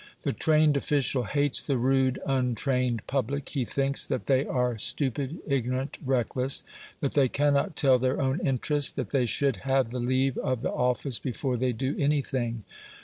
The trained official hates the rude, untrained public. He thinks that they are stupid, ignorant, reckless that they cannot tell their own interest that they should have the leave of the office before they do anything.